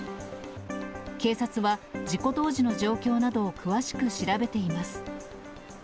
警察は、事故当時の状況などを詳しく調べています。